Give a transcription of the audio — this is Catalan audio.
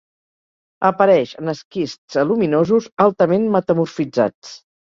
Apareix en esquists aluminosos altament metamorfitzats.